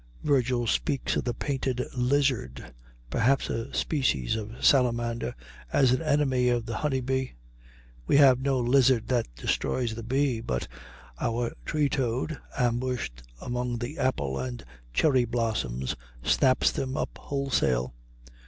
Virgil speaks of the painted lizard, perhaps a species of salamander, as an enemy of the honey bee. We have no lizard that destroys the bee; but our tree toad, ambushed among the apple and cherry blossoms, snaps them up wholesale.